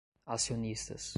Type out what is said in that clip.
acionistas